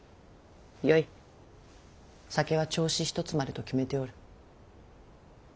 よい酒は銚子１つまでと決めておる。